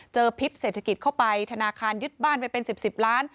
พิษเศรษฐกิจเข้าไปธนาคารยึดบ้านไปเป็น๑๐ล้าน